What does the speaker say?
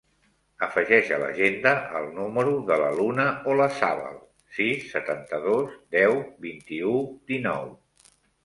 Afegeix a l'agenda el número de la Luna Olazabal: sis, setanta-dos, deu, vint-i-u, dinou.